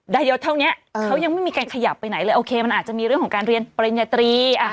ได้เยอะเท่านี้เขายังไม่มีการขยับไปไหนเลยโอเคมันอาจจะมีเรื่องของการเรียนปริญญาตรี